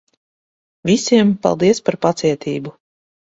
Visiem, paldies par pacietību.